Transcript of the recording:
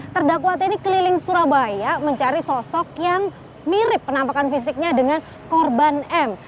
terdakwa ini keliling surabaya mencari sosok yang mirip penampakan fisiknya dengan korban m